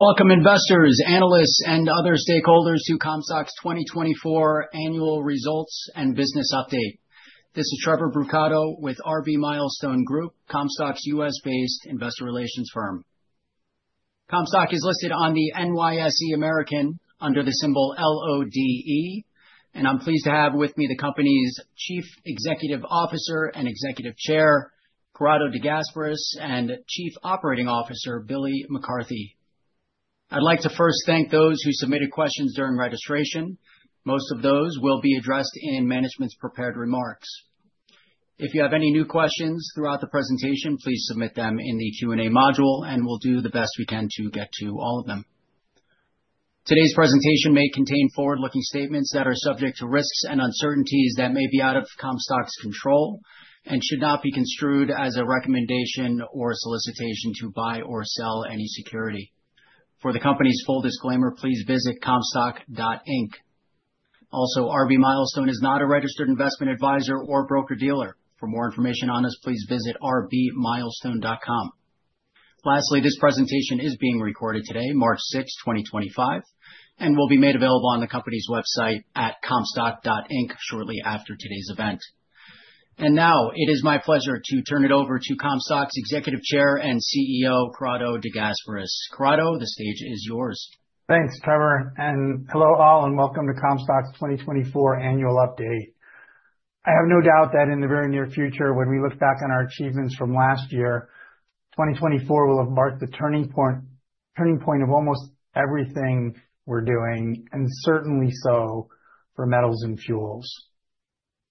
Welcome, investors, analysts, and other stakeholders to Comstock's 2024 Annual Results and Business Update. This is Trevor Brucato with RB Milestone Group, Comstock's U.S.-based investor relations firm. Comstock is listed on the NYSE American under the symbol LODE, and I'm pleased to have with me the company's Chief Executive Officer and Executive Chair, Corrado De Gasperis, and Chief Operating Officer, Billy McCarthy. I'd like to first thank those who submitted questions during registration. Most of those will be addressed in management's prepared remarks. If you have any new questions throughout the presentation, please submit them in the Q&A module, and we'll do the best we can to get to all of them. Today's presentation may contain forward-looking statements that are subject to risks and uncertainties that may be out of Comstock's control and should not be construed as a recommendation or a solicitation to buy or sell any security. For the company's full disclaimer, please visit comstock.inc Also, RB Milestone is not a registered investment advisor or broker-dealer. For more information on us, please visit rbmilestone.com. Lastly, this presentation is being recorded today, March 6, 2025, and will be made available on the company's website at comstock.inc shortly after today's event, and now, it is my pleasure to turn it over to Comstock's Executive Chair and CEO, Corrado De Gasperis. Corrado, the stage is yours. Thanks, Trevor, and hello all, and welcome to Comstock's 2024 annual update. I have no doubt that in the very near future, when we look back on our achievements from last year, 2024 will have marked the turning point of almost everything we're doing, and certainly so for Metals and Fuels.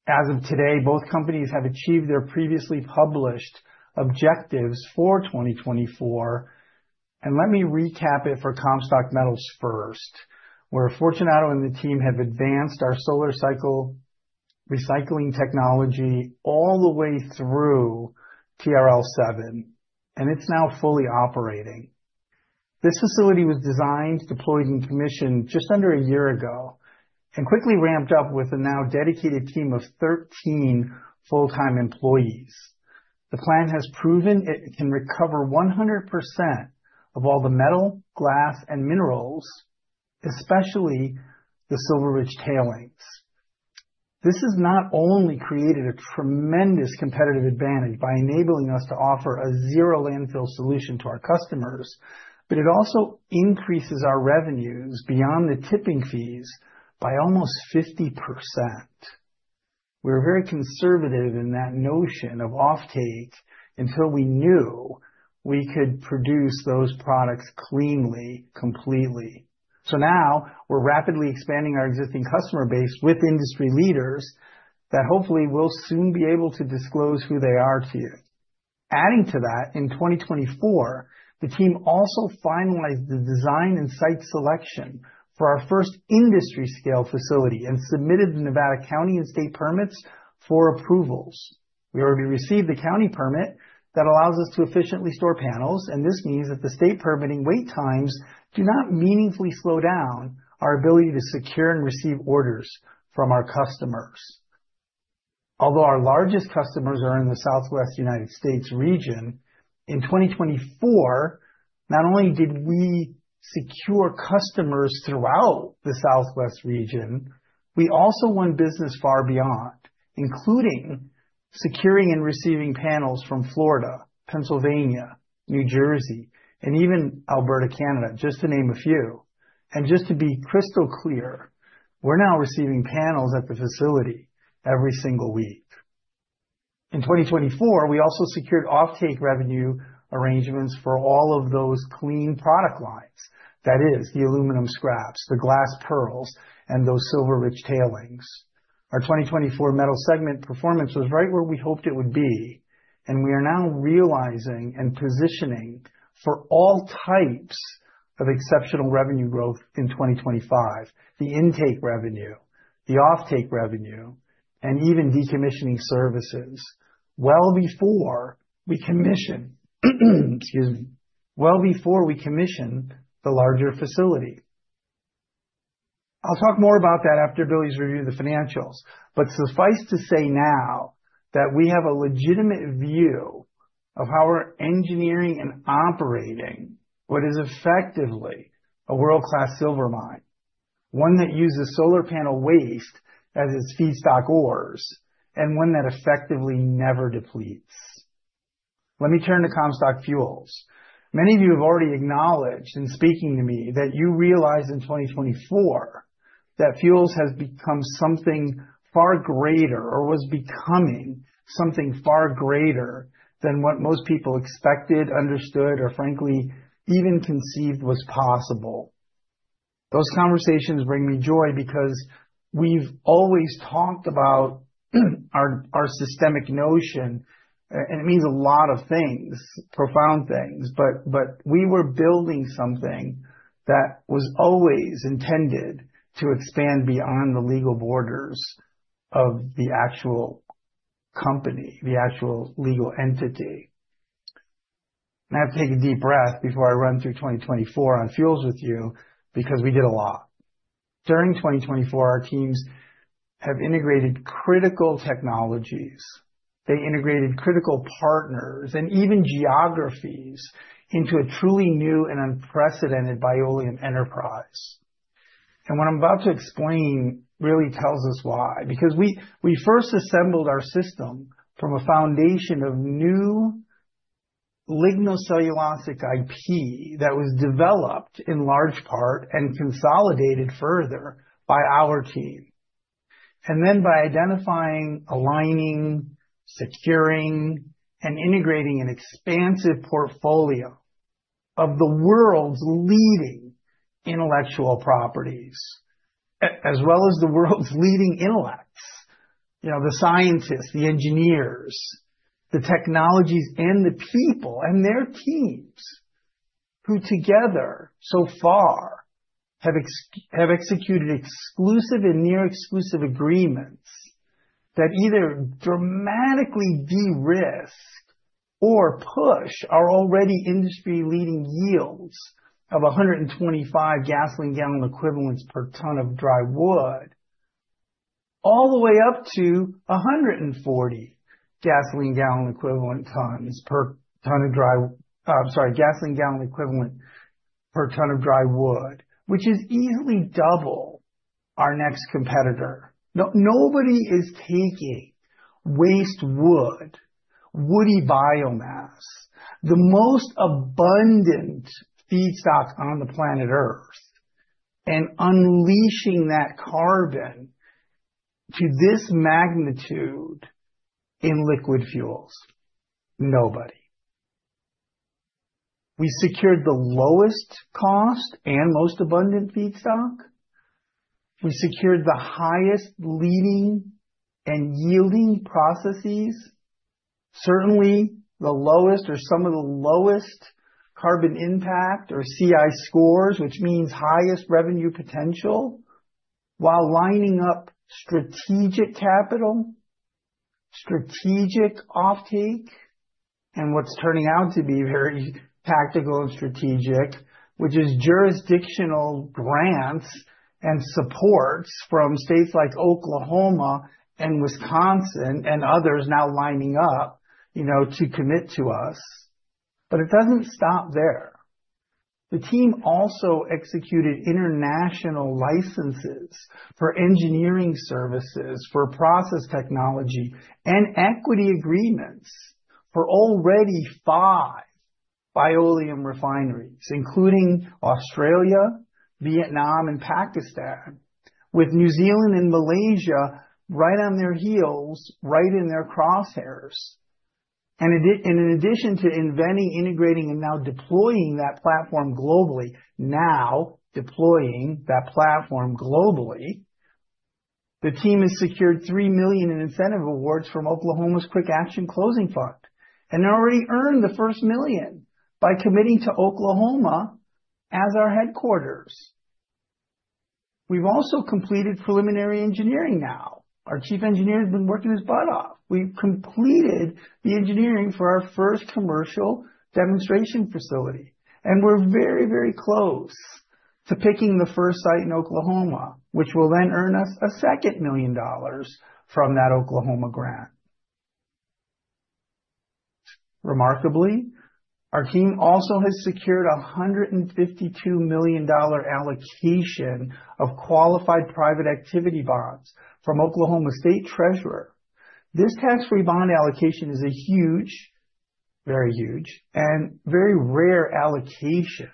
As of today, both companies have achieved their previously published objectives for 2024, and let me recap it for Comstock Metals first. Fortunato and the team have advanced our solar cycle recycling technology all the way through TRL 7, and it's now fully operating. This facility was designed, deployed, and commissioned just under a year ago and quickly ramped up with a now dedicated team of 13 full-time employees. The plant has proven it can recover 100% of all the metal, glass, and minerals, especially the silver-rich tailings. This has not only created a tremendous competitive advantage by enabling us to offer a zero-landfill solution to our customers, but it also increases our revenues beyond the tipping fees by almost 50%. We were very conservative in that notion of offtake until we knew we could produce those products cleanly, completely. Now we're rapidly expanding our existing customer base with industry leaders that hopefully we'll soon be able to disclose who they are to you. Adding to that, in 2024, the team also finalized the design and site selection for our first industry-scale facility and submitted the Nevada County and state permits for approvals. We already received the county permit that allows us to efficiently store panels, and this means that the state permitting wait times do not meaningfully slow down our ability to secure and receive orders from our customers. Although our largest customers are in the Southwest United States region, in 2024, not only did we secure customers throughout the southwest region, we also won business far beyond, including securing and receiving panels from Florida, Pennsylvania, New Jersey, and even Alberta, Canada, just to name a few, and just to be crystal clear, we're now receiving panels at the facility every single week. In 2024, we also secured offtake revenue arrangements for all of those clean product lines. That is, the aluminum scraps, the glass pearls, and those silver-rich tailings. Our 2024 metal segment performance was right where we hoped it would be, and we are now realizing and positioning for all types of exceptional revenue growth in 2025: the intake revenue, the offtake revenue, and even decommissioning services well before we commission—excuse me—well before we commission the larger facility. I'll talk more about that after Billy's review of the financials, but suffice to say now that we have a legitimate view of how we're engineering and operating what is effectively a world-class silver mine, one that uses solar panel waste as its feedstock ores and one that effectively never depletes. Let me turn to Comstock Fuels. Many of you have already acknowledged in speaking to me that you realize in 2024 that Fuels has become something far greater or was becoming something far greater than what most people expected, understood, or frankly, even conceived was possible. Those conversations bring me joy because we've always talked about our systemic notion, and it means a lot of things, profound things, but we were building something that was always intended to expand beyond the legal borders of the actual company, the actual legal entity. I have to take a deep breath before I run through 2024 on Fuels with you because we did a lot. During 2024, our teams have integrated critical technologies. They integrated critical partners and even geographies into a truly new and unprecedented Bioleum enterprise, and what I'm about to explain really tells us why, because we first assembled our system from a foundation of new lignocellulosic IP that was developed in large part and consolidated further by our team. And then by identifying, aligning, securing, and integrating an expansive portfolio of the world's leading intellectual properties, as well as the world's leading intellects, you know, the scientists, the engineers, the technologies, and the people and their teams who together so far have executed exclusive and near-exclusive agreements that either dramatically de-risk or push our already industry-leading yields of 125 gasoline gallon equivalents per ton of dry wood, all the way up to 140 gasoline gallon equivalents per ton of dry—I'm sorry, gasoline gallon equivalents per ton of dry wood, which is easily double our next competitor. Nobody is taking waste wood, woody biomass, the most abundant feedstock on the planet Earth, and unleashing that carbon to this magnitude in liquid fuels. Nobody. We secured the lowest cost and most abundant feedstock. We secured the highest leading and yielding processes, certainly the lowest or some of the lowest carbon impact or CI scores, which means highest revenue potential, while lining up strategic capital, strategic offtake, and what's turning out to be very tactical and strategic, which is jurisdictional grants and supports from states like Oklahoma and Wisconsin and others now lining up, you know, to commit to us, but it doesn't stop there. The team also executed international licenses for engineering services, for process technology, and equity agreements for already five Bioleum refineries, including Australia, Vietnam, and Pakistan, with New Zealand and Malaysia right on their heels, right in their crosshairs. In addition to inventing, integrating, and now deploying that platform globally, the team has secured $3 million in incentive awards from Oklahoma's Quick Action Closing Fund, and they already earned the first million by committing to Oklahoma as our headquarters. We've also completed preliminary engineering now. Our chief engineer has been working his butt off. We've completed the engineering for our first commercial demonstration facility, and we're very, very close to picking the first site in Oklahoma, which will then earn us a second million dollars from that Oklahoma grant. Remarkably, our team also has secured a $152 million allocation of qualified private activity bonds from the Oklahoma State Treasurer. This tax-free bond allocation is a huge, very huge, and very rare allocation,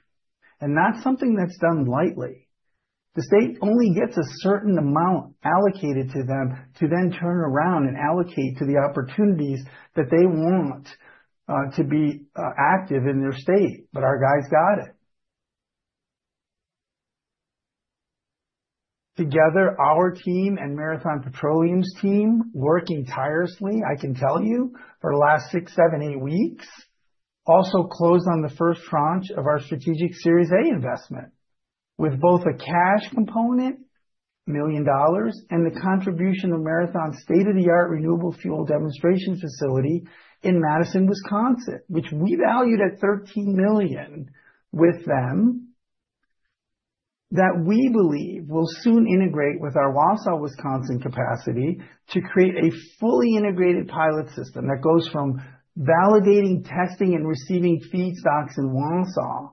and not something that's done lightly. The state only gets a certain amount allocated to them to then turn around and allocate to the opportunities that they want to be active in their state, but our guys got it. Together, our team and Marathon Petroleum's team working tirelessly, I can tell you, for the last six, seven, eight weeks, also closed on the first tranche of our strategic Series A investment with both a cash component, a million, dollars, and the contribution of Marathon's state-of-the-art renewable fuel demonstration facility in Madison, Wisconsin, which we valued at $13 million with them, that we believe will soon integrate with our Wausau, Wisconsin capacity to create a fully integrated pilot system that goes from validating, testing, and receiving feedstocks in Wausau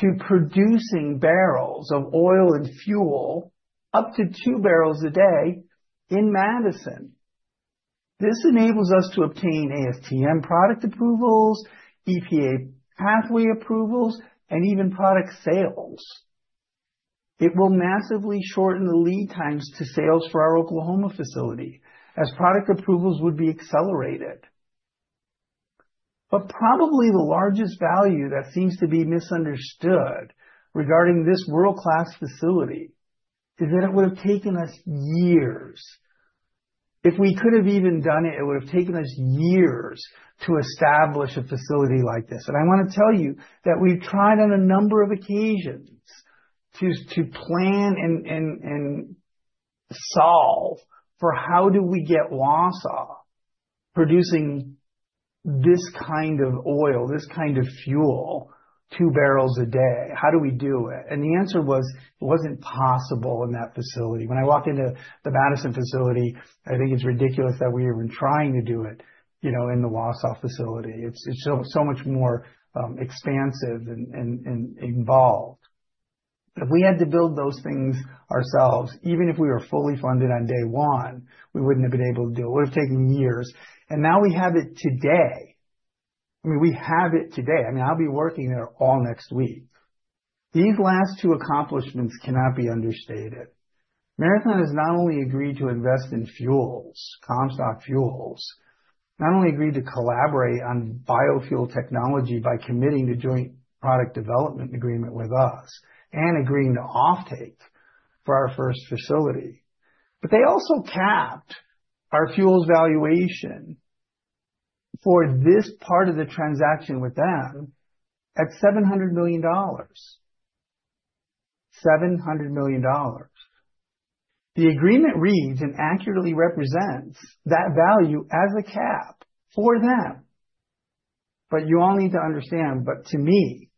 to producing barrels of oil and fuel up to two barrels a day in Madison. This enables us to obtain ASTM product approvals, EPA pathway approvals, and even product sales. It will massively shorten the lead times to sales for our Oklahoma facility as product approvals would be accelerated. Probably the largest value that seems to be misunderstood regarding this world-class facility is that it would have taken us years. If we could have even done it, it would have taken us years to establish a facility like this. I want to tell you that we've tried on a number of occasions to plan and solve for how do we get Wausau producing this kind of oil, this kind of fuel, two barrels a day. How do we do it? The answer was it wasn't possible in that facility. When I walked into the Madison facility, I think it's ridiculous that we were even trying to do it, you know, in the Wausau facility. It's so much more expansive and involved. If we had to build those things ourselves, even if we were fully funded on day one, we wouldn't have been able to do it. It would have taken years. Now we have it today. I mean, we have it today. I'll be working there all next week. These last two accomplishments cannot be understated. Marathon has not only agreed to invest in fuels, Comstock Fuels, not only agreed to collaborate on biofuel technology by committing to joint product development agreement with us and agreeing to offtake for our first facility, but they also capped our fuels valuation for this part of the transaction with them at $700 million. $700 million. The agreement reads and accurately represents that value as a cap for them. You all need to understand, but to me,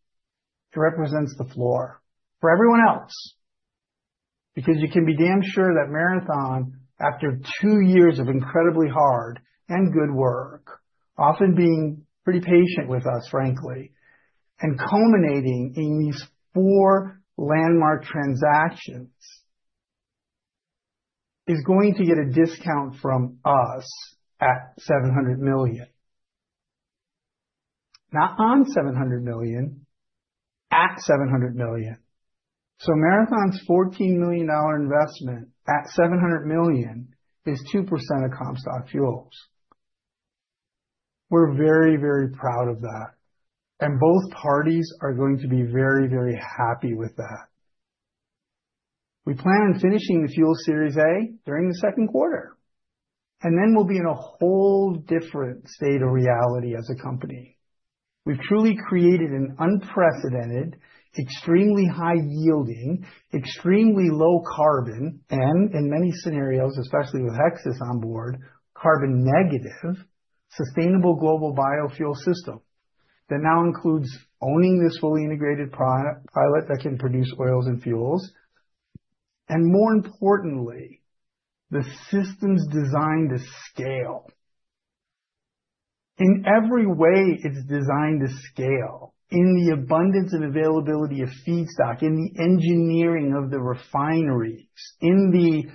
it represents the floor for everyone else because you can be damn sure that Marathon, after two years of incredibly hard and good work, often being pretty patient with us, frankly, and culminating in these four landmark transactions, is going to get a discount from us at $700 million. Not on $700 million, at $700 million. Marathon's $14 million investment at $700 million is 2% of Comstock Fuels. We're very, very proud of that, and both parties are going to be very, very happy with that. We plan on finishing the fuel Series A during the second quarter, and then we'll be in a whole different state of reality as a company. We've truly created an unprecedented, extremely high-yielding, extremely low-carbon, and in many scenarios, especially with Hexas on board, carbon-negative sustainable global biofuel system that now includes owning this fully integrated pilot that can produce oils and fuels, and more importantly, the system's designed to scale. In every way, it's designed to scale in the abundance and availability of feedstock, in the engineering of the refineries, in the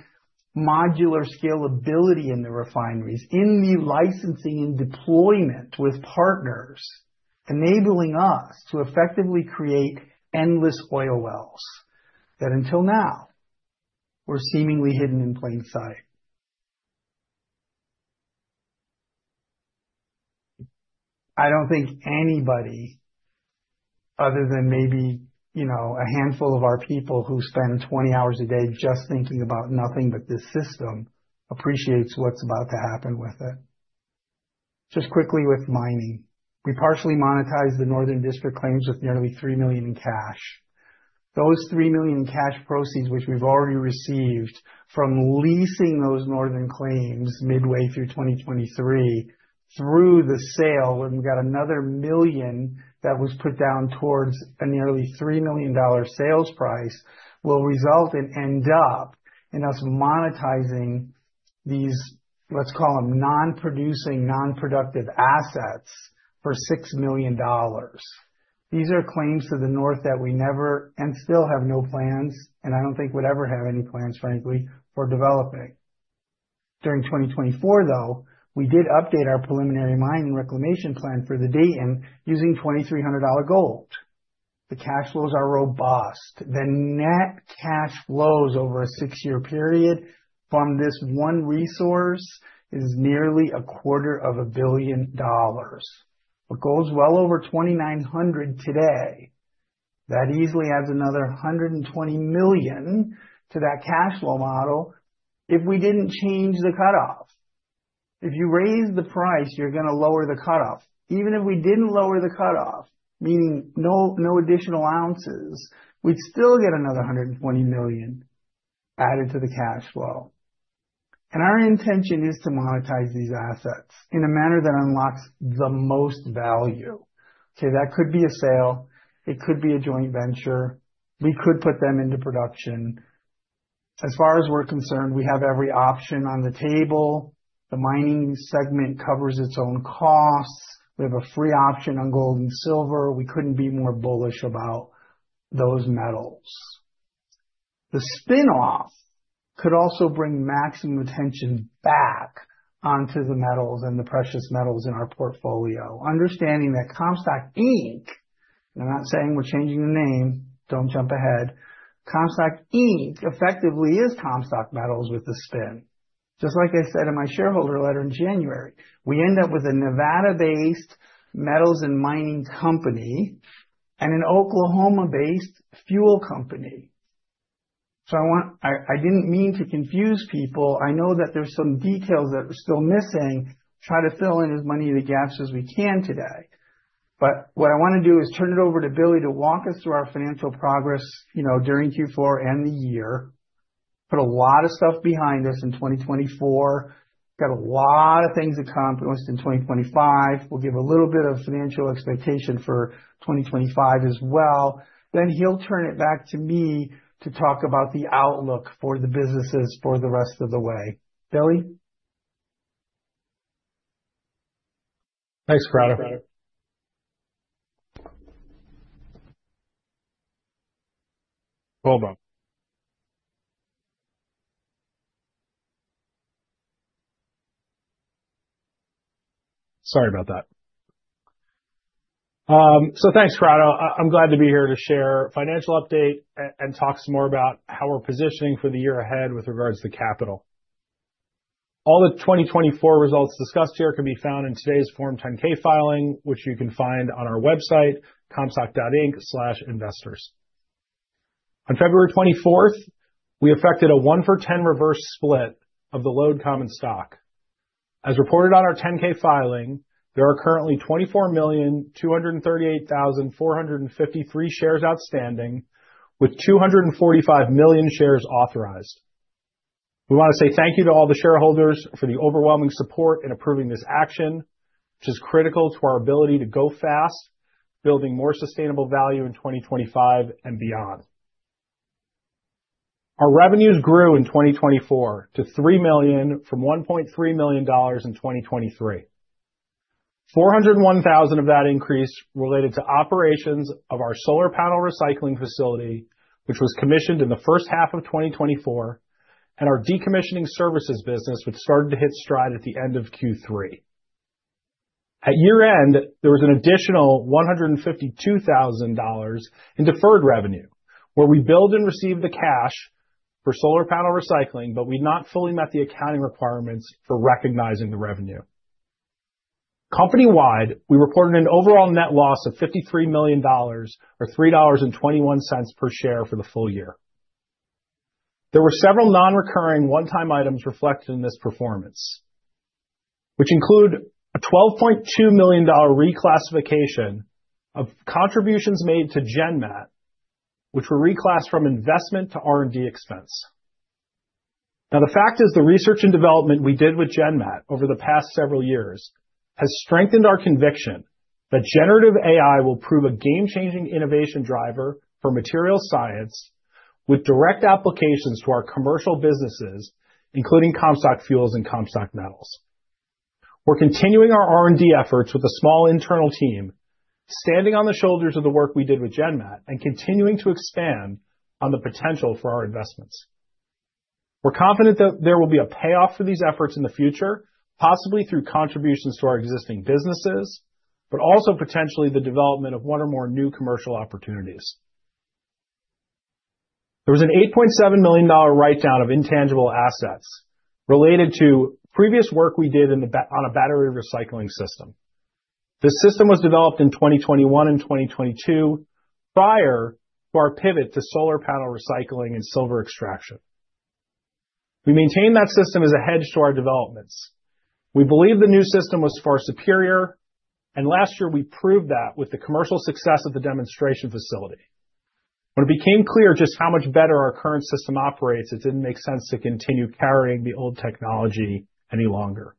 modular scalability in the refineries, in the licensing and deployment with partners, enabling us to effectively create endless oil wells that until now were seemingly hidden in plain sight. I don't think anybody other than maybe, you know, a handful of our people who spend 20 hours a day just thinking about nothing but this system appreciates what's about to happen with it. Just quickly with mining, we partially monetized the Northern District claims with nearly $3 million in cash. Those $3 million in cash proceeds, which we've already received from leasing those northern claims midway through 2023 through the sale, and we've got another million that was put down towards a nearly $3 million sales price will result and end up in us monetizing these, let's call them non-producing, non-productive assets for $6 million. These are claims to the north that we never and still have no plans, and I don't think would ever have any plans, frankly, for developing. During 2024, though, we did update our preliminary mine and reclamation plan for the Dayton using $2,300 gold. The cash flows are robust. The net cash flows over a six-year period from this one resource is nearly a quarter of a billion dollars. What goes well over $2,900 today, that easily adds another $120 million to that cash flow model if we didn't change the cutoff. If you raise the price, you're going to lower the cutoff. Even if we didn't lower the cutoff, meaning no additional ounces, we'd still get another $120 million added to the cash flow, and our intention is to monetize these assets in a manner that unlocks the most value. That could be a sale, it could be a joint venture, we could put them into production. As far as we're concerned, we have every option on the table. The mining segment covers its own costs. We have a free option on gold and silver. We couldn't be more bullish about those metals. The spinoff could also bring maximum attention back onto the metals and the precious metals in our portfolio. Understanding that Comstock Inc, and I'm not saying we're changing the name, don't jump ahead. Comstock Inc effectively is Comstock Metals with the spin. Just like I said in my shareholder letter in January, we end up with a Nevada-based metals and mining company and an Oklahoma-based fuel company. I did not mean to confuse people. I know that there are some details that are still missing. Try to fill in as many of the gaps as we can today. What I want to do is turn it over to Billy to walk us through our financial progress, you know, during Q4 and the year. Put a lot of stuff behind us in 2024. Got a lot of things to accomplish in 2025. We will give a little bit of financial expectation for 2025 as well. He will turn it back to me to talk about the outlook for the businesses for the rest of the way. Billy? Thanks, Corrado. Hold on. Sorry about that. Thanks, Corrado. I'm glad to be here to share a financial update and talk some more about how we're positioning for the year ahead with regards to capital. All the 2024 results discussed here can be found in today's Form 10-K filing, which you can find on our website, comstock.inc/investors. On February 24th, we effected a one-for-ten reverse split of the LODE common stock. As reported on our 10-K filing, there are currently 24,238,453 shares outstanding, with 245 million shares authorized. We want to say thank you to all the shareholders for the overwhelming support in approving this action, which is critical to our ability to go fast, building more sustainable value in 2025 and beyond. Our revenues grew in 2024 to $3 million from $1.3 million in 2023. $401,000 of that increased related to operations of our solar panel recycling facility, which was commissioned in the first half of 2024, and our decommissioning services business, which started to hit stride at the end of Q3. At year-end, there was an additional $152,000 in deferred revenue, where we billed and received the cash for solar panel recycling, but we'd not fully met the accounting requirements for recognizing the revenue. Company-wide, we reported an overall net loss of $53 million, or $3.21 per share for the full year. There were several non-recurring one-time items reflected in this performance, which include a $12.2 million reclassification of contributions made to GenMat, which were reclassed from investment to R&D expense. Now, the fact is the research and development we did with GenMat over the past several years has strengthened our conviction that generative AI will prove a game-changing innovation driver for materials science with direct applications to our commercial businesses, including Comstock Fuels and Comstock Metals. We're continuing our R&D efforts with a small internal team, standing on the shoulders of the work we did with GenMat and continuing to expand on the potential for our investments. We're confident that there will be a payoff for these efforts in the future, possibly through contributions to our existing businesses, but also potentially the development of one or more new commercial opportunities. There was an $8.7 million write-down of intangible assets related to previous work we did on a battery recycling system. This system was developed in 2021 and 2022 prior to our pivot to solar panel recycling and silver extraction. We maintained that system as a hedge to our developments. We believe the new system was far superior, and last year we proved that with the commercial success of the demonstration facility. When it became clear just how much better our current system operates, it did not make sense to continue carrying the old technology any longer.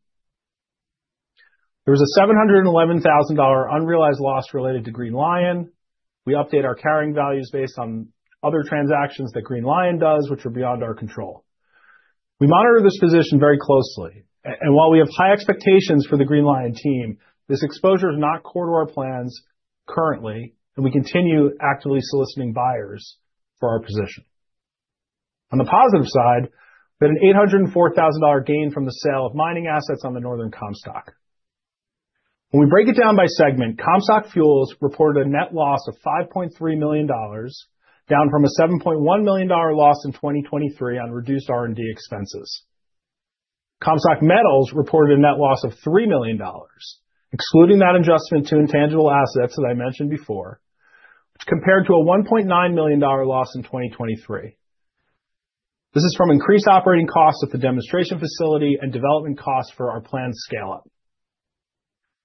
There was a $711,000 unrealized loss related to Green Li-ion. We update our carrying values based on other transactions that Green Li-ion does, which are beyond our control. We monitor this position very closely. While we have high expectations for the Green Li-ion team, this exposure is not core to our plans currently, and we continue actively soliciting buyers for our position. On the positive side, we had an $804,000 gain from the sale of mining assets on the Northern Comstock. When we break it down by segment, Comstock Fuels reported a net loss of $5.3 million, down from a $7.1 million loss in 2023 on reduced R&D expenses. Comstock Metals reported a net loss of $3 million, excluding that adjustment to intangible assets that I mentioned before, which compared to a $1.9 million loss in 2023. This is from increased operating costs at the demonstration facility and development costs for our planned scale-up.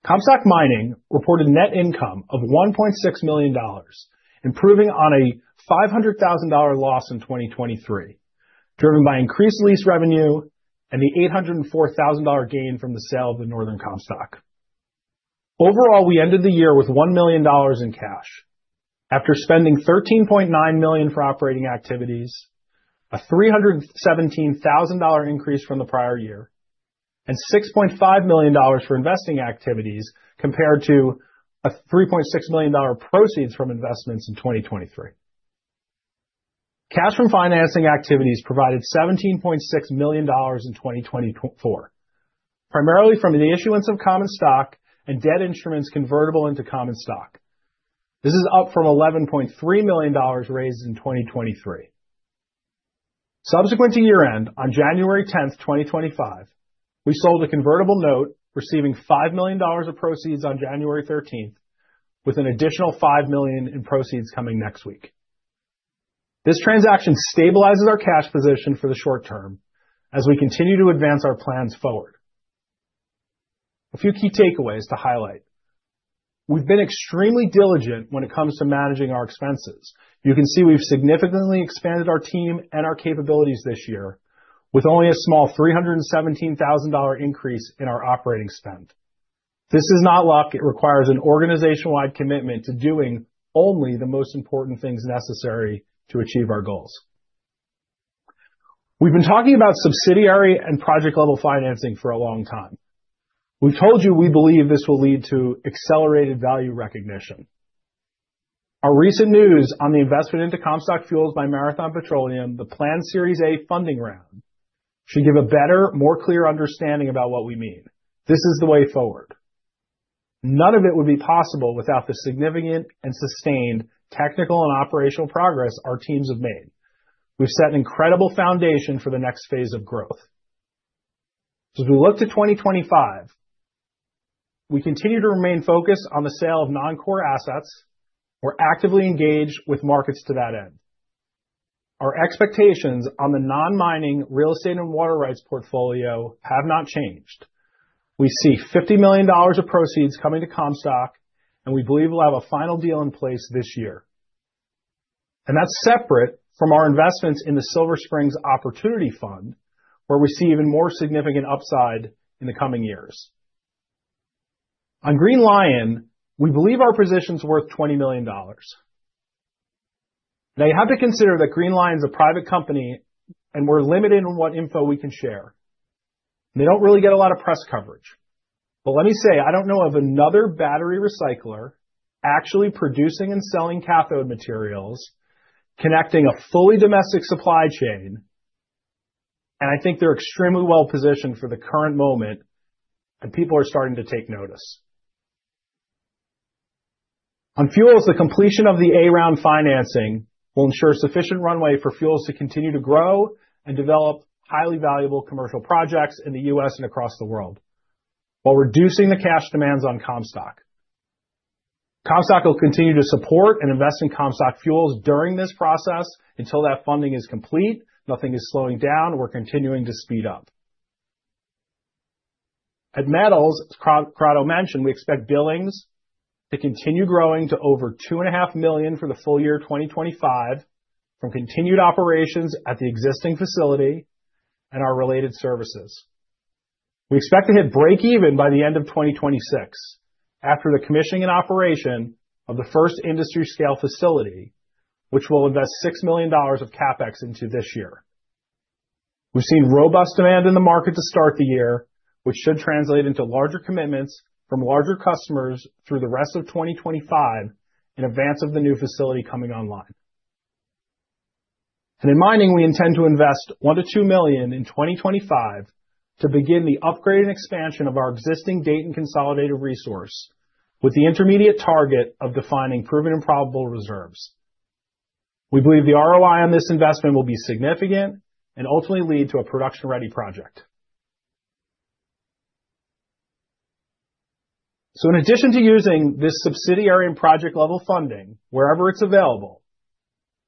Comstock Mining reported net income of $1.6 million, improving on a $500,000 loss in 2023, driven by increased lease revenue and the $804,000 gain from the sale of the Northern Comstock. Overall, we ended the year with $1 million in cash after spending $13.9 million for operating activities, a $317,000 increase from the prior year, and $6.5 million for investing activities compared to a $3.6 million proceeds from investments in 2023. Cash from financing activities provided $17.6 million in 2024, primarily from the issuance of Comstock and debt instruments convertible into Comstock. This is up from $11.3 million raised in 2023. Subsequent to year-end, on January 10th, 2025, we sold a convertible note receiving $5 million of proceeds on January 13th, with an additional $5 million in proceeds coming next week. This transaction stabilizes our cash position for the short term as we continue to advance our plans forward. A few key takeaways to highlight. We've been extremely diligent when it comes to managing our expenses. You can see we've significantly expanded our team and our capabilities this year, with only a small $317,000 increase in our operating spend. This is not luck. It requires an organization-wide commitment to doing only the most important things necessary to achieve our goals. We've been talking about subsidiary and project-level financing for a long time. We've told you we believe this will lead to accelerated value recognition. Our recent news on the investment into Comstock Fuels by Marathon Petroleum, the planned Series A funding round, should give a better, more clear understanding about what we mean. This is the way forward. None of it would be possible without the significant and sustained technical and operational progress our teams have made. We've set an incredible foundation for the next phase of growth. As we look to 2025, we continue to remain focused on the sale of non-core assets. We're actively engaged with markets to that end. Our expectations on the non-mining real estate and water rights portfolio have not changed. We see $50 million of proceeds coming to Comstock, and we believe we'll have a final deal in place this year. That is separate from our investments in the Silver Springs Opportunity Fund, where we see even more significant upside in the coming years. On Green Li-ion, we believe our position's worth $20 million. Now, you have to consider that Green Li-ion's a private company, and we're limited in what info we can share. They do not really get a lot of press coverage. Let me say, I do not know of another battery recycler actually producing and selling cathode materials, connecting a fully domestic supply chain. I think they are extremely well-positioned for the current moment, and people are starting to take notice. On fuels, the completion of the A-round financing will ensure sufficient runway for fuels to continue to grow and develop highly valuable commercial projects in the U.S. and across the world while reducing the cash demands on Comstock. Comstock will continue to support and invest in Comstock Fuels during this process until that funding is complete. Nothing is slowing down. We're continuing to speed up. At Metals, as Corrado mentioned, we expect billings to continue growing to over $2.5 million for the full year 2025 from continued operations at the existing facility and our related services. We expect to hit break-even by the end of 2026 after the commissioning and operation of the first industry-scale facility, which will invest $6 million of CapEx into this year. We've seen robust demand in the market to start the year, which should translate into larger commitments from larger customers through the rest of 2025 in advance of the new facility coming online. In mining, we intend to invest $1-$2 million in 2025 to begin the upgrade and expansion of our existing Dayton Consolidated resource with the intermediate target of defining proven and probable reserves. We believe the ROI on this investment will be significant and ultimately lead to a production-ready project. In addition to using this subsidiary and project-level funding wherever it's available,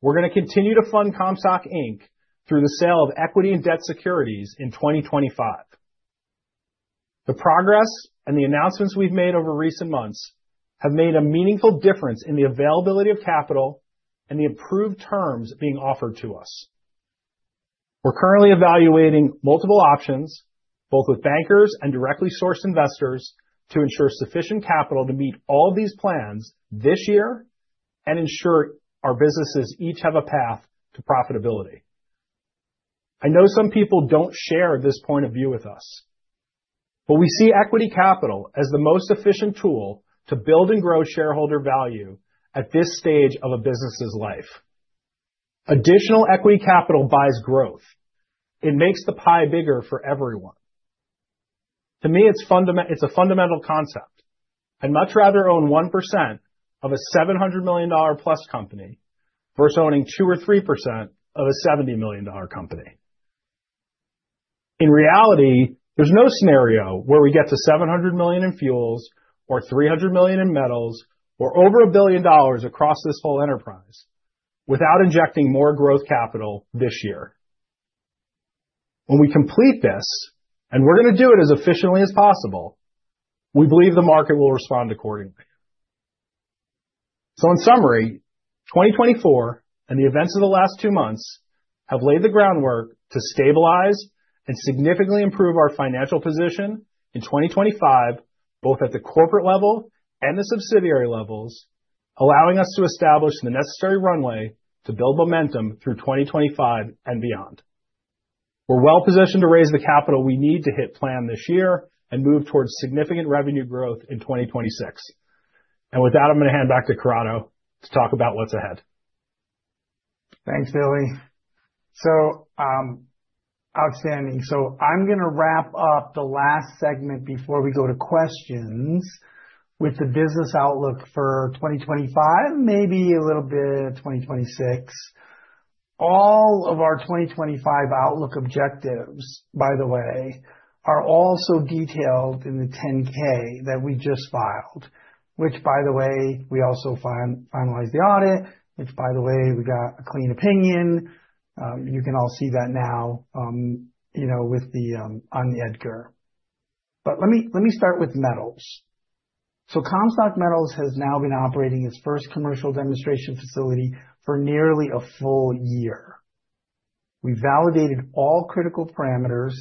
we're going to continue to fund Comstock Inc through the sale of equity and debt securities in 2025. The progress and the announcements we've made over recent months have made a meaningful difference in the availability of capital and the approved terms being offered to us. We're currently evaluating multiple options, both with bankers and directly sourced investors, to ensure sufficient capital to meet all of these plans this year and ensure our businesses each have a path to profitability. I know some people don't share this point of view with us, but we see equity capital as the most efficient tool to build and grow shareholder value at this stage of a business's life. Additional equity capital buys growth. It makes the pie bigger for everyone. To me, it's a fundamental concept. I'd much rather own 1% of a $700 million-plus company versus owning 2 or 3% of a $70 million company. In reality, there's no scenario where we get to $700 million in Fuels or $300 million in Metals or over a billion dollars across this whole enterprise without injecting more growth capital this year. When we complete this, and we're going to do it as efficiently as possible, we believe the market will respond accordingly. In summary, 2024 and the events of the last two months have laid the groundwork to stabilize and significantly improve our financial position in 2025, both at the corporate level and the subsidiary levels, allowing us to establish the necessary runway to build momentum through 2025 and beyond. We're well-positioned to raise the capital we need to hit plan this year and move towards significant revenue growth in 2026. With that, I'm going to hand back to Corrado to talk about what's ahead. Thanks, Billy. Outstanding. I'm going to wrap up the last segment before we go to questions with the business outlook for 2025, maybe a little bit of 2026. All of our 2025 outlook objectives, by the way, are also detailed in the 10-K that we just filed, which, by the way, we also finalized the audit, which, by the way, we got a clean opinion. You can all see that now, you know, with the on EDGAR. Let me start with Metals. Comstock Metals has now been operating its first commercial demonstration facility for nearly a full year. We validated all critical parameters: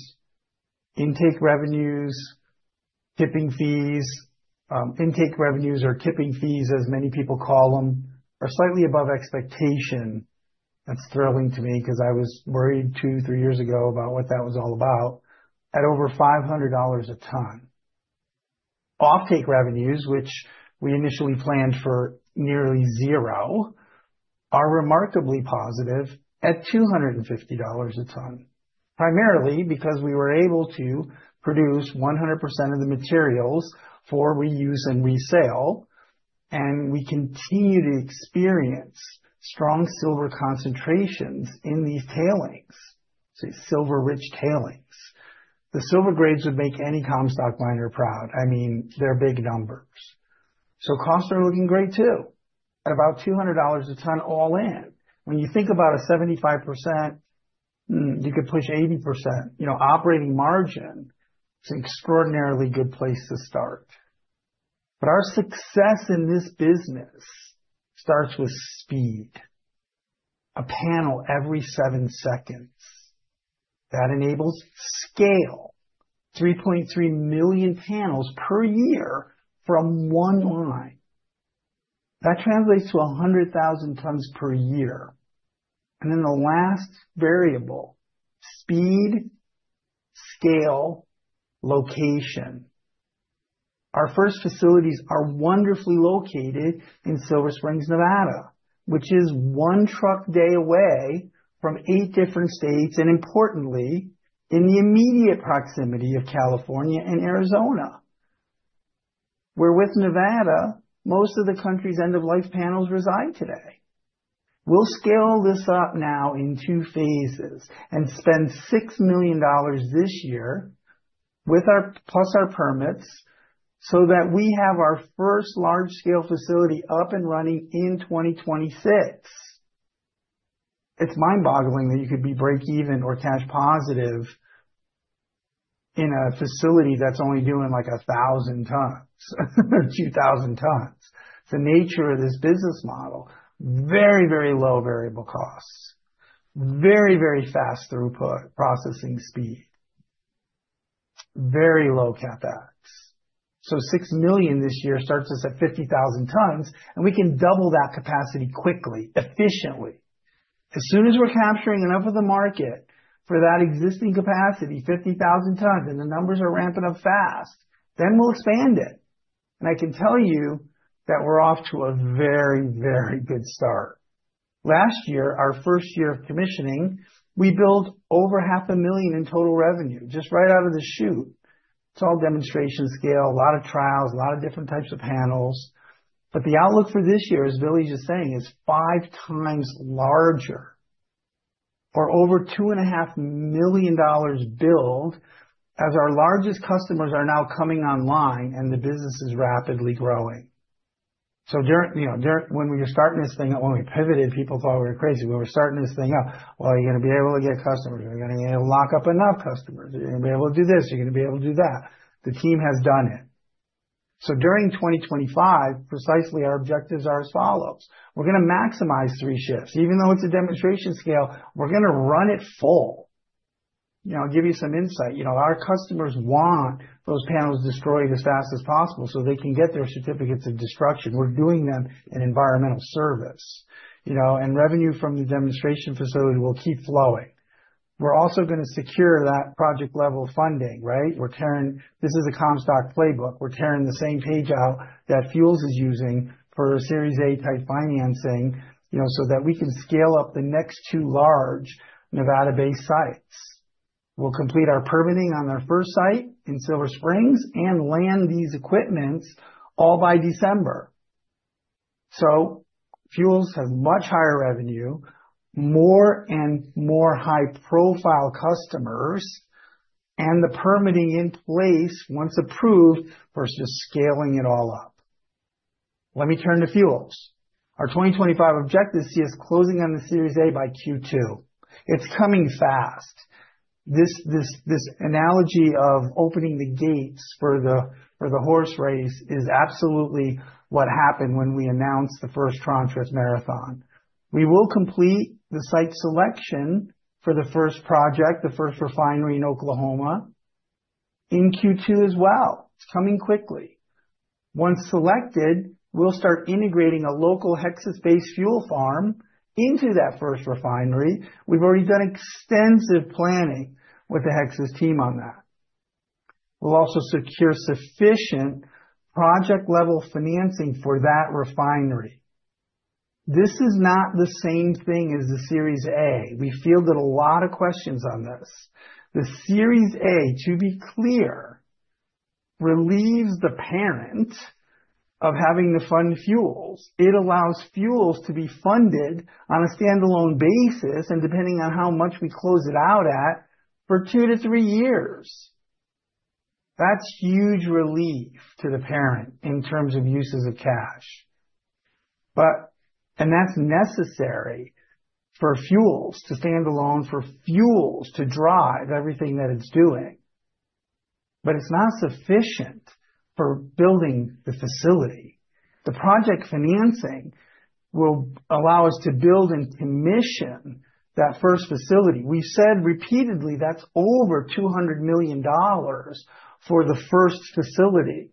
intake revenues, tipping fees. Intake revenues or tipping fees, as many people call them, are slightly above expectation. That's thrilling to me because I was worried two, three years ago about what that was all about at over $500 a ton. Offtake revenues, which we initially planned for nearly zero, are remarkably positive at $250 a ton, primarily because we were able to produce 100% of the materials for reuse and resale, and we continue to experience strong silver concentrations in these tailings, say, silver-rich tailings. The silver grades would make any Comstock miner proud. I mean, they're big numbers. Costs are looking great too, at about $200 a ton all in. When you think about a 75%, you could push 80%, you know, operating margin. It's an extraordinarily good place to start. Our success in this business starts with speed. A panel every seven seconds that enables scale, 3.3 million panels per year from one line. That translates to 100,000 tons per year. The last variable, speed, scale, location. Our first facilities are wonderfully located in Silver Springs, Nevada, which is one truck day away from eight different states and, importantly, in the immediate proximity of California and Arizona, where with Nevada, most of the country's end-of-life panels reside today. We'll scale this up now in two phases and spend $6 million this year with our plus our permits so that we have our first large-scale facility up and running in 2026. It's mind-boggling that you could be break-even or cash positive in a facility that's only doing like 1,000 tons or 2,000 tons. It's the nature of this business model. Very, very low variable costs, very, very fast throughput, processing speed, very low CapEx. $6 million this year starts us at 50,000 tons, and we can double that capacity quickly, efficiently. As soon as we're capturing enough of the market for that existing capacity, 50,000 tons, and the numbers are ramping up fast, then we'll expand it. I can tell you that we're off to a very, very good start. Last year, our first year of commissioning, we built over $500,000 in total revenue just right out of the chute. It's all demonstration scale, a lot of trials, a lot of different types of panels. The outlook for this year, as Billy's just saying, is five times larger or over $2.5 million billed as our largest customers are now coming online and the business is rapidly growing. During, you know, when we were starting this thing up, when we pivoted, people thought we were crazy. We were starting this thing up. Are you going to be able to get customers? Are you going to be able to lock up enough customers? Are you going to be able to do this? Are you going to be able to do that? The team has done it. During 2025, precisely, our objectives are as follows. We're going to maximize three shifts. Even though it's a demonstration scale, we're going to run it full. You know, I'll give you some insight. You know, our customers want those panels destroyed as fast as possible so they can get their certificates of destruction. We're doing them an environmental service, you know, and revenue from the demonstration facility will keep flowing. We're also going to secure that project-level funding, right? This is a Comstock playbook. We're tearing the same page out that Fuels is using for a Series A type financing, you know, so that we can scale up the next two large Nevada-based sites. We'll complete our permitting on our first site in Silver Springs and land these equipments all by December. Fuels has much higher revenue, more and more high-profile customers, and the permitting in place once approved versus just scaling it all up. Let me turn to Fuels. Our 2025 objectives see us closing on the Series A by Q2. It's coming fast. This analogy of opening the gates for the horse race is absolutely what happened when we announced the first Ranchos Marathon. We will complete the site selection for the first project, the first refinery in Oklahoma in Q2 as well. It's coming quickly. Once selected, we'll start integrating a local Hexas-based fuel farm into that first refinery. We've already done extensive planning with the Hexas team on that. We'll also secure sufficient project-level financing for that refinery. This is not the same thing as the Series A. We fielded a lot of questions on this. The Series A, to be clear, relieves the parent of having to fund Fuels. It allows Fuels to be funded on a standalone basis and depending on how much we close it out at for two to three years. That's huge relief to the parent in terms of uses of cash. That's necessary for Fuels to stand alone for Fuels to drive everything that it's doing. It's not sufficient for building the facility. The project financing will allow us to build and commission that first facility. We've said repeatedly that's over $200 million for the first facility.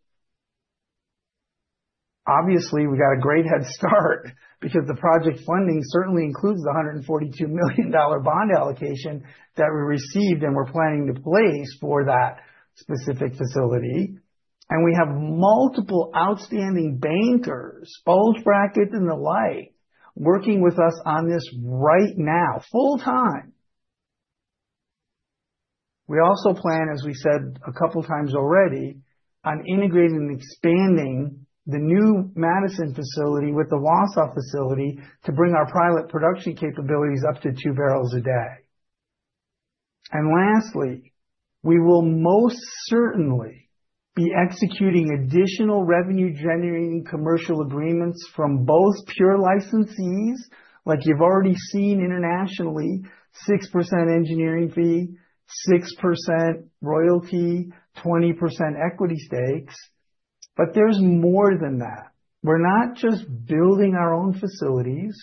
Obviously, we got a great head start because the project funding certainly includes the $142 million bond allocation that we received and we're planning to place for that specific facility. We have multiple outstanding bankers, bulge brackets, and the like working with us on this right now full time. We also plan, as we said a couple of times already, on integrating and expanding the new Madison facility with the Wausau facility to bring our pilot production capabilities up to two barrels a day. Lastly, we will most certainly be executing additional revenue-generating commercial agreements from both pure licensees, like you've already seen internationally, 6% engineering fee, 6% royalty, 20% equity stakes. There is more than that. We're not just building our own facilities.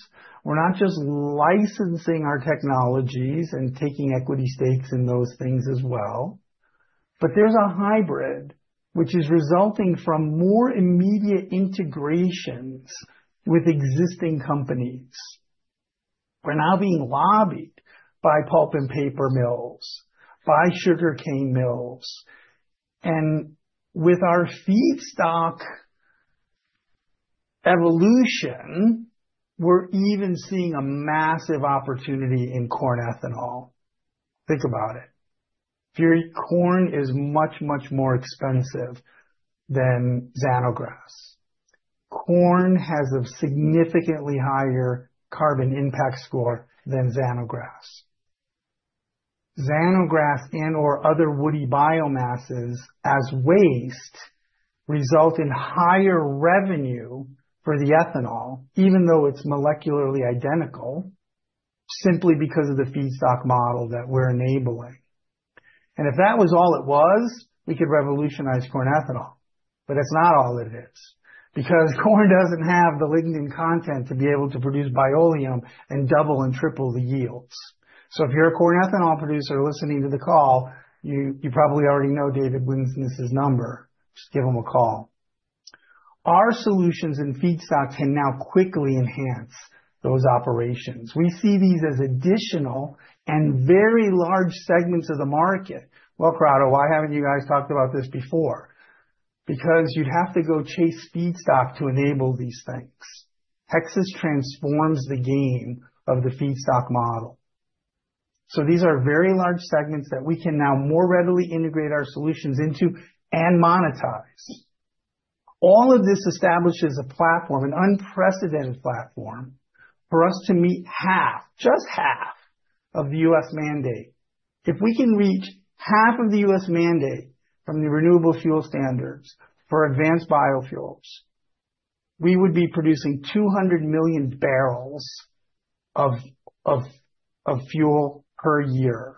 We're not just licensing our technologies and taking equity stakes in those things as well. There is a hybrid, which is resulting from more immediate integrations with existing companies. We're now being lobbied by pulp and paper mills, by sugarcane mills. With our feedstock evolution, we're even seeing a massive opportunity in corn ethanol. Think about it. Pure corn is much, much more expensive than XanoGrass. Corn has a significantly higher carbon impact score than XanoGrass. XanoGrass and/or other woody biomasses as waste result in higher revenue for the ethanol, even though it's molecularly identical, simply because of the feedstock model that we're enabling. If that was all it was, we could revolutionize corn ethanol. That is not all it is because corn doesn't have the lignin content to be able to produce Bioleum and double and triple the yields. If you're a corn ethanol producer listening to the call, you probably already know David Winsness' number. Just give him a call. Our solutions and feedstocks can now quickly enhance those operations. We see these as additional and very large segments of the market. Corrado, why haven't you guys talked about this before? You'd have to go chase feedstock to enable these things. Hexas transforms the game of the feedstock model. These are very large segments that we can now more readily integrate our solutions into and monetize. All of this establishes a platform, an unprecedented platform for us to meet half, just half, of the U.S. mandate. If we can reach half of the U.S. mandate from the Renewable Fuel Standard for advanced biofuels, we would be producing 200 million barrels of fuel per year.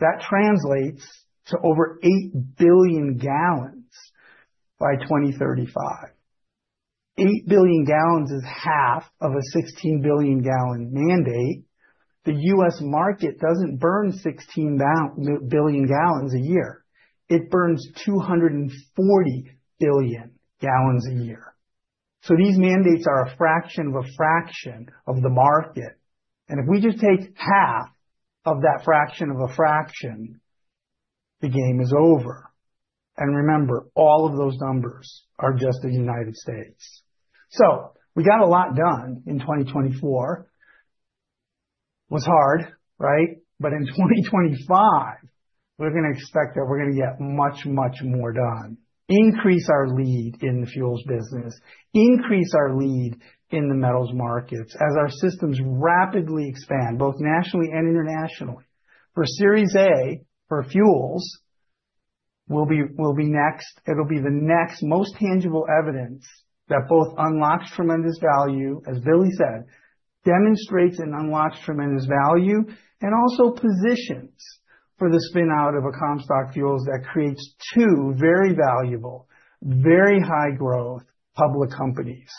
That translates to over 8 billion gallons by 2035. 8 billion gallons is half of a 16 billion gallon mandate. The U.S. market does not burn 16 billion gallons a year. It burns 240 billion gallons a year. These mandates are a fraction of a fraction of the market. If we just take half of that fraction of a fraction, the game is over. Remember, all of those numbers are just the United States. We got a lot done in 2024. It was hard, right? In 2025, we're going to expect that we're going to get much, much more done. Increase our lead in the Fuels business. Increase our lead in the metals markets as our systems rapidly expand, both nationally and internationally. For Series A, for Fuels, we'll be next. It'll be the next most tangible evidence that both unlocks tremendous value, as Billy said, demonstrates and unlocks tremendous value, and also positions for the spinout of a Comstock Fuels that creates two very valuable, very high-growth public companies.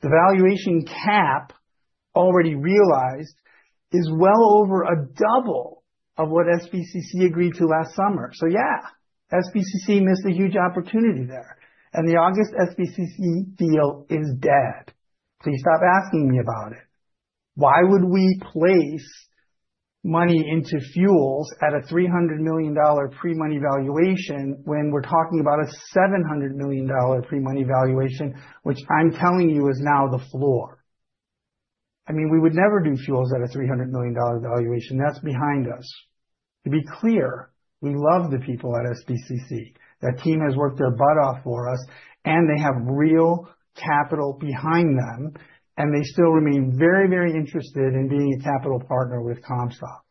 The valuation cap, already realized, is well over a double of what SBCC agreed to last summer. Yeah, SBCC missed a huge opportunity there. The August SBCC deal is dead. Please stop asking me about it. Why would we place money into Fuels at a $300 million pre-money valuation when we're talking about a $700 million pre-money valuation, which I'm telling you is now the floor? I mean, we would never do Fuels at a $300 million valuation. That's behind us. To be clear, we love the people at SBCC. That team has worked their butt off for us, and they have real capital behind them, and they still remain very, very interested in being a capital partner with Comstock.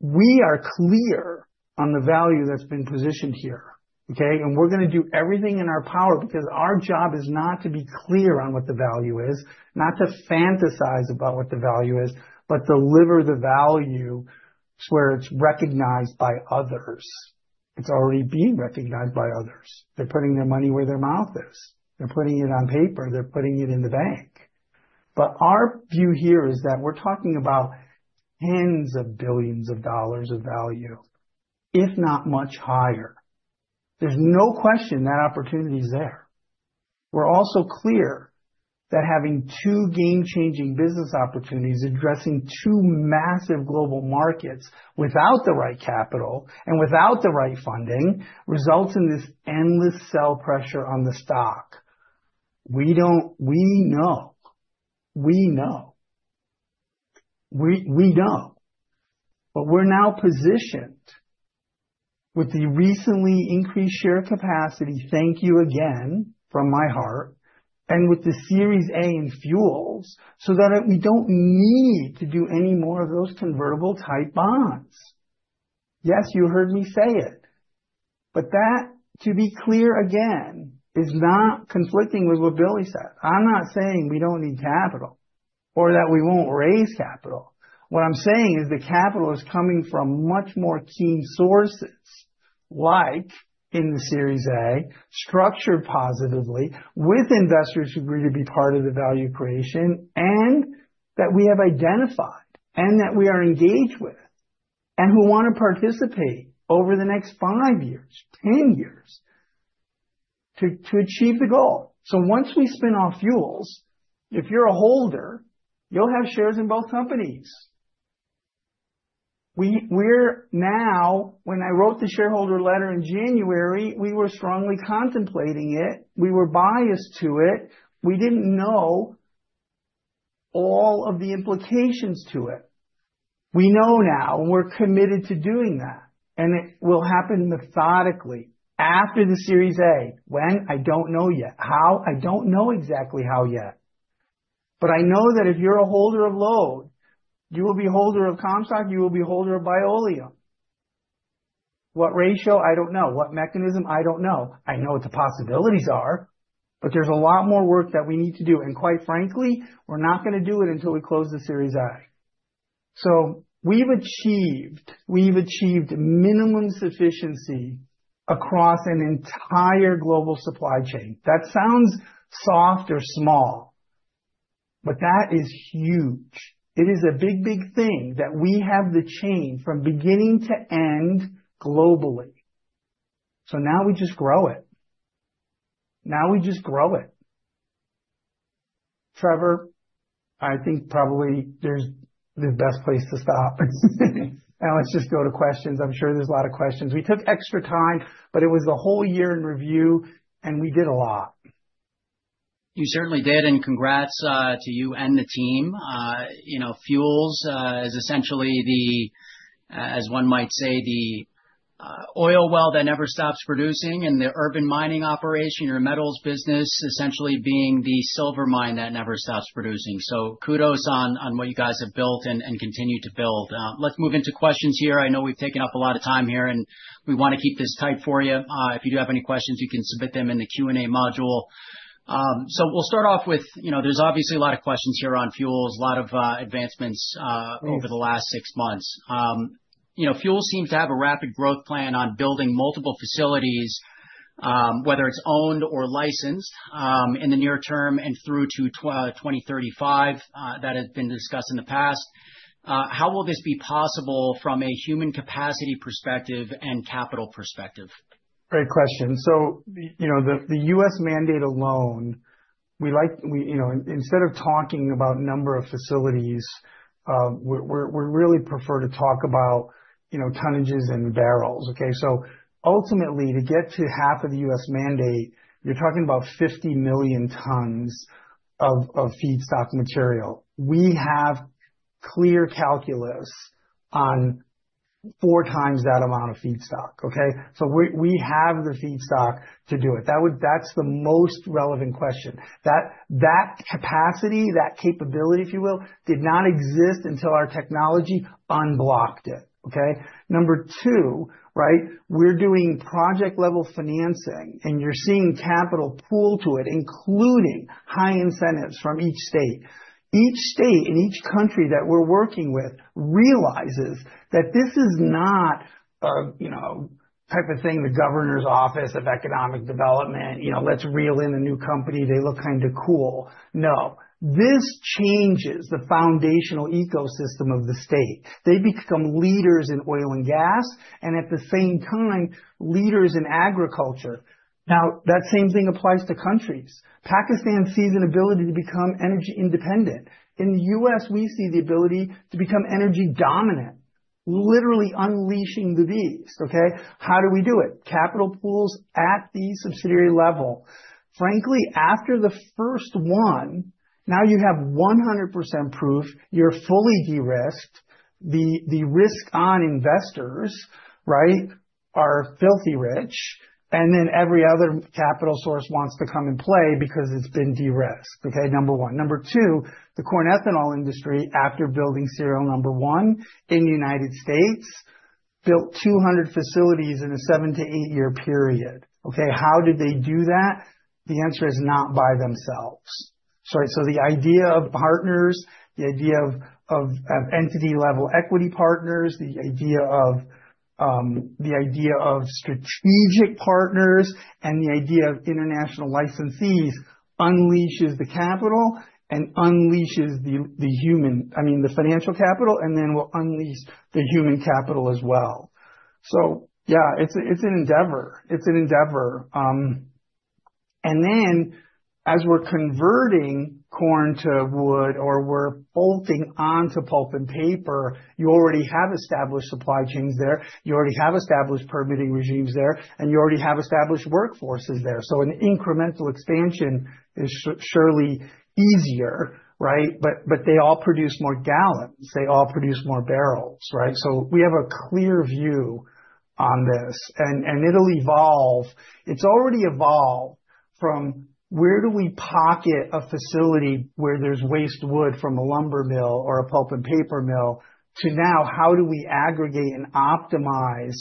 We are clear on the value that's been positioned here, okay? We're going to do everything in our power because our job is not to be clear on what the value is, not to fantasize about what the value is, but deliver the value where it's recognized by others. It's already being recognized by others. They're putting their money where their mouth is. They're putting it on paper. They're putting it in the bank. Our view here is that we're talking about tens of billions of dollars of value, if not much higher. There's no question that opportunity is there. We're also clear that having two game-changing business opportunities addressing two massive global markets without the right capital and without the right funding results in this endless sell pressure on the stock. We know, we know, we know, but we're now positioned with the recently increased share capacity, thank you again from my heart, and with the Series A in Fuels so that we don't need to do any more of those convertible-type bonds. Yes, you heard me say it. That, to be clear again, is not conflicting with what Billy said. I'm not saying we don't need capital or that we won't raise capital. What I'm saying is the capital is coming from much more keen sources, like in the Series A, structured positively with investors who agree to be part of the value creation and that we have identified and that we are engaged with and who want to participate over the next five years, ten years to achieve the goal. Once we spin off Fuels, if you're a holder, you'll have shares in both companies. When I wrote the shareholder letter in January, we were strongly contemplating it. We were biased to it. We didn't know all of the implications to it. We know now, and we're committed to doing that. It will happen methodically after the Series A. When? I don't know yet. How? I don't know exactly how yet. I know that if you're a holder of LODE, you will be a holder of Comstock. You will be a holder of Bioleum. What ratio? I don't know. What mechanism? I don't know. I know what the possibilities are, but there is a lot more work that we need to do. Quite frankly, we are not going to do it until we close the Series A. We have achieved minimum sufficiency across an entire global supply chain. That sounds soft or small, but that is huge. It is a big, big thing that we have the chain from beginning to end globally. Now we just grow it. Now we just grow it. Trevor, I think probably this is the best place to stop. Now let's just go to questions. I am sure there are a lot of questions. We took extra time, but it was the whole year in review, and we did a lot. You certainly did. And congrats to you and the team. You know, Fuels is essentially the, as one might say, the oil well that never stops producing and the urban mining operation or metals business essentially being the silver mine that never stops producing. Kudos on what you guys have built and continue to build. Let's move into questions here. I know we've taken up a lot of time here, and we want to keep this tight for you. If you do have any questions, you can submit them in the Q&A module. We'll start off with, you know, there's obviously a lot of questions here on Fuels, a lot of advancements over the last six months. Fuels seems to have a rapid growth plan on building multiple facilities, whether it's owned or licensed in the near term and through to 2035. That has been discussed in the past. How will this be possible from a human capacity perspective and capital perspective? Great question. You know, the U.S. mandate alone, we like, you know, instead of talking about number of facilities, we really prefer to talk about, you know, tonnages and barrels. Okay. Ultimately, to get to half of the U.S. mandate, you're talking about 50 million tons of feedstock material. We have clear calculus on four times that amount of feedstock. Okay. We have the feedstock to do it. That's the most relevant question. That capacity, that capability, if you will, did not exist until our technology unblocked it. Okay. Number two, right? We're doing project-level financing, and you're seeing capital pool to it, including high incentives from each state. Each state and each country that we're working with realizes that this is not a, you know, type of thing, the governor's office of economic development, you know, let's reel in a new company. They look kind of cool. No. This changes the foundational ecosystem of the state. They become leaders in oil and gas and at the same time, leaders in agriculture. Now, that same thing applies to countries. Pakistan sees an ability to become energy independent. In the U.S., we see the ability to become energy dominant, literally unleashing the beast. Okay. How do we do it? Capital pools at the subsidiary level. Frankly, after the first one, now you have 100% proof you're fully de-risked. The risk on investors, right, are filthy rich. And then every other capital source wants to come and play because it's been de-risked. Okay. Number one. Number two, the corn ethanol industry, after building serial number one in the United States, built 200 facilities in a seven- to eight-year period. Okay. How did they do that? The answer is not by themselves. The idea of partners, the idea of entity-level equity partners, the idea of strategic partners, and the idea of international licensees unleashes the capital and unleashes the human, I mean, the financial capital, and then will unleash the human capital as well. Yeah, it's an endeavor. It's an endeavor. As we're converting corn to wood or we're bolting onto pulp and paper, you already have established supply chains there. You already have established permitting regimes there, and you already have established workforces there. An incremental expansion is surely easier, right? They all produce more gallons. They all produce more barrels, right? We have a clear view on this. It'll evolve. It's already evolved from where do we pocket a facility where there's waste wood from a lumber mill or a pulp and paper mill to now how do we aggregate and optimize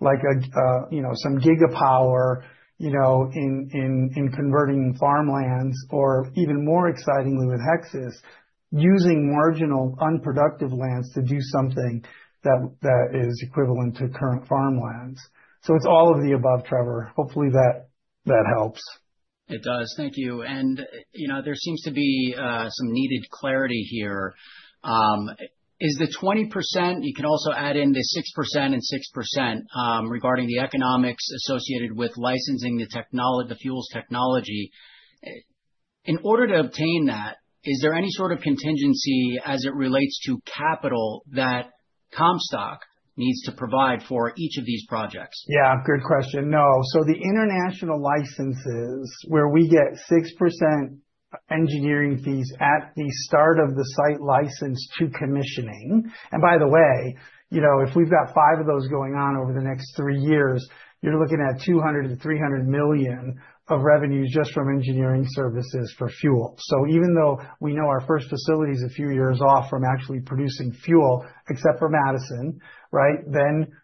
like a, you know, some gigapower, you know, in converting farmlands or even more excitingly with Hexas using marginal unproductive lands to do something that is equivalent to current farmlands. It's all of the above, Trevor. Hopefully that helps. It does. Thank you. You know, there seems to be some needed clarity here. Is the 20%, you can also add in the 6% and 6% regarding the economics associated with licensing the fuels technology. In order to obtain that, is there any sort of contingency as it relates to capital that Comstock needs to provide for each of these projects? Good question. No. The international licenses where we get 6% engineering fees at the start of the site license to commissioning. By the way, you know, if we've got five of those going on over the next three years, you're looking at $200 million-$300 million of revenues just from engineering services for fuel. Even though we know our first facility is a few years off from actually producing fuel, except for Madison, right, we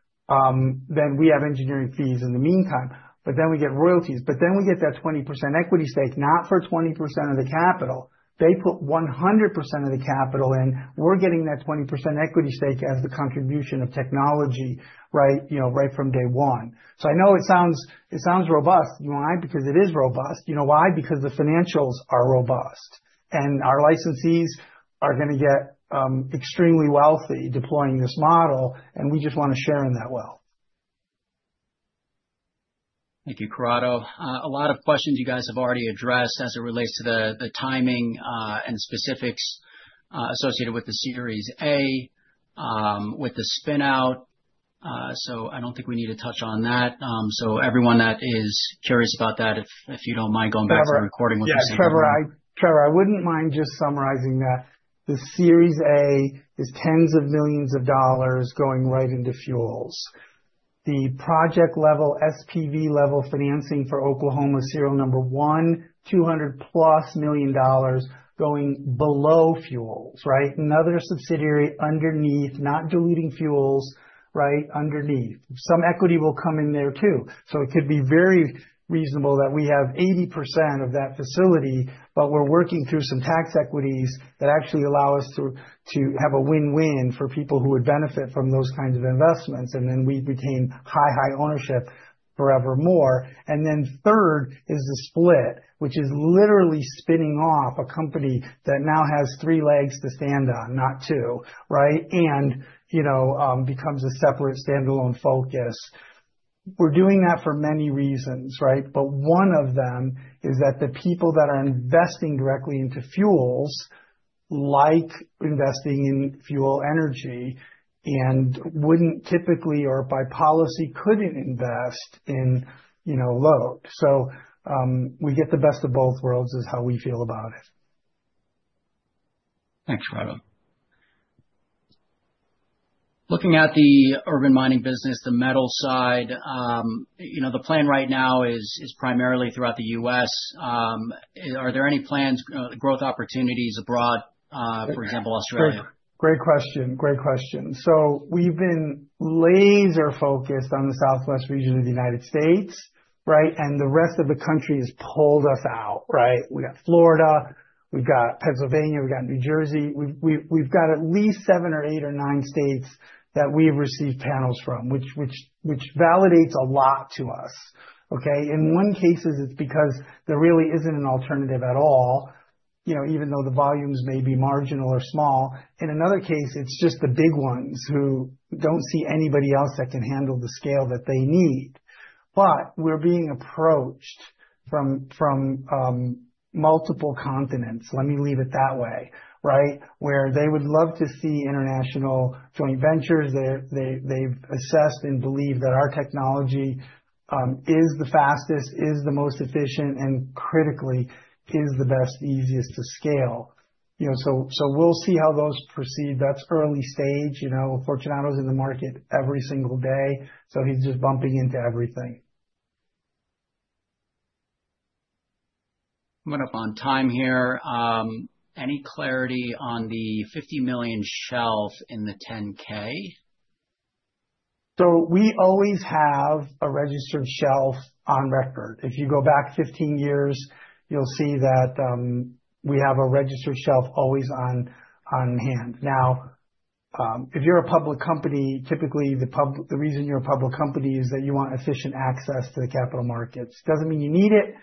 have engineering fees in the meantime. Then we get royalties. Then we get that 20% equity stake, not for 20% of the capital. They put 100% of the capital in. We're getting that 20% equity stake as the contribution of technology, right, you know, right from day one. I know it sounds robust, you know, because it is robust. You know why? Because the financials are robust. Our licensees are going to get extremely wealthy deploying this model. We just want to share in that wealth. Thank you, Corrado. A lot of questions you guys have already addressed as it relates to the timing and specifics associated with the Series A, with the spinout. I do not think we need to touch on that. Everyone that is curious about that, if you do not mind going back to the recording with the same question. Yeah, Trevor, I would not mind just summarizing that. The Series A is tens of millions of dollars going right into fuels. The project-level SPV level financing for Oklahoma serial number one, $200 million-plus going below fuels, right? Another subsidiary underneath, not diluting fuels, right? Underneath. Some equity will come in there too. It could be very reasonable that we have 80% of that facility, but we're working through some tax equities that actually allow us to have a win-win for people who would benefit from those kinds of investments. We retain high, high ownership forever more. Third is the split, which is literally spinning off a company that now has three legs to stand on, not two, right? You know, becomes a separate standalone focus. We're doing that for many reasons, right? One of them is that the people that are investing directly into fuels like investing in fuel energy and wouldn't typically or by policy couldn't invest in, you know, LODE. We get the best of both worlds is how we feel about it. Thanks, Corrado. Looking at the urban mining business, the metal side, you know, the plan right now is primarily throughout the U.S. Are there any plans, growth opportunities abroad, for example, Australia? Great question. Great question. We've been laser focused on the Southwest region of the United States, right? The rest of the country has pulled us out, right? We got Florida, we've got Pennsylvania, we've got New Jersey. We've got at least seven or eight or nine states that we've received panels from, which validates a lot to us. In one case, it's because there really isn't an alternative at all, you know, even though the volumes may be marginal or small. In another case, it's just the big ones who don't see anybody else that can handle the scale that they need. We're being approached from multiple continents, let me leave it that way, right? Where they would love to see international joint ventures. They've assessed and believe that our technology is the fastest, is the most efficient, and critically is the best, easiest to scale. You know, we'll see how those proceed. That's early stage. You know, Fortunato's in the market every single day. He's just bumping into everything. I'm going to run up on time here. Any clarity on the $50 million shelf in the 10-K? We always have a registered shelf on record. If you go back 15 years, you'll see that we have a registered shelf always on hand. Now, if you're a public company, typically the reason you're a public company is that you want efficient access to the capital markets. It doesn't mean you need it,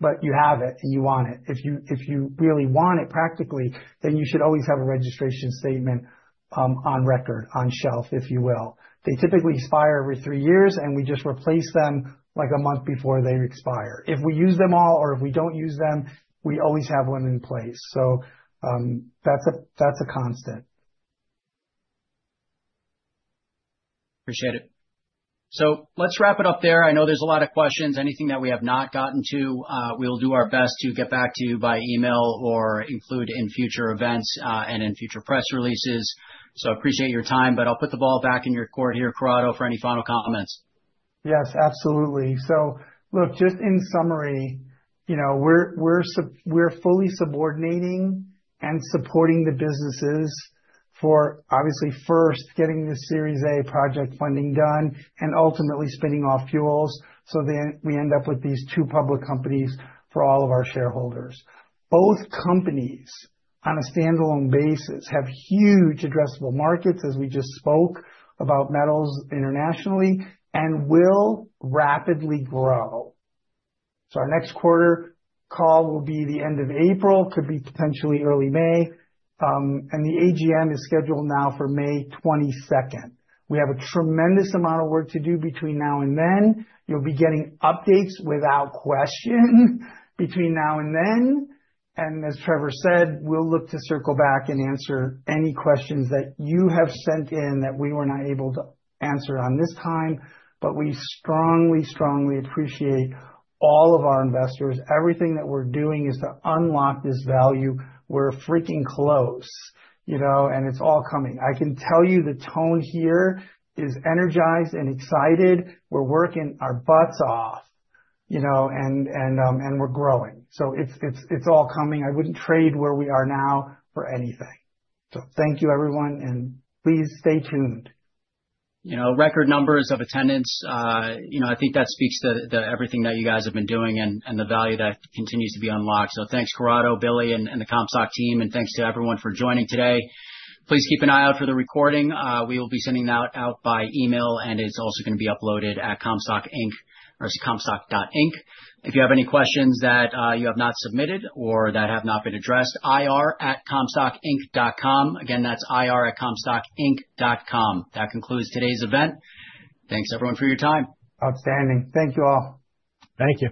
but you have it and you want it. If you really want it practically, then you should always have a registration statement on record, on shelf, if you will. They typically expire every three years, and we just replace them like a month before they expire. If we use them all or if we do not use them, we always have one in place. That is a constant. Appreciate it. Let us wrap it up there. I know there are a lot of questions. Anything that we have not gotten to, we will do our best to get back to you by email or include in future events and in future press releases. I appreciate your time, but I will put the ball back in your court here, Corrado, for any final comments. Yes, absolutely. Look, just in summary, you know, we're fully subordinating and supporting the businesses for obviously first getting this Series A project funding done and ultimately spinning off fuels so that we end up with these two public companies for all of our shareholders. Both companies on a standalone basis have huge addressable markets, as we just spoke about metals internationally, and will rapidly grow. Our next quarter call will be the end of April, could be potentially early May. The AGM is scheduled now for May 22nd. We have a tremendous amount of work to do between now and then. You'll be getting updates without question between now and then. As Trevor said, we'll look to circle back and answer any questions that you have sent in that we were not able to answer on this time. We strongly, strongly appreciate all of our investors. Everything that we're doing is to unlock this value. We're freaking close, you know, and it's all coming. I can tell you the tone here is energized and excited. We're working our butts off, you know, and we're growing. It's all coming. I wouldn't trade where we are now for anything. Thank you, everyone, and please stay tuned. You know, record numbers of attendance. I think that speaks to everything that you guys have been doing and the value that continues to be unlocked. Thanks, Corrado, Billy, and the Comstock team. Thanks to everyone for joining today. Please keep an eye out for the recording. We will be sending that out by email, and it's also going to be uploaded at Comstock Inc or comstock. Inc If you have any questions that you have not submitted or that have not been addressed, ir@comstockinc.com. Again, that's ir@comstockinc.com. That concludes today's event. Thanks, everyone, for your time. Outstanding. Thank you all. Thank you.